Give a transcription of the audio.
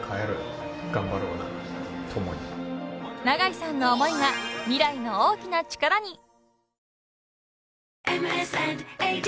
［永井さんの思いが未来の大きな力に］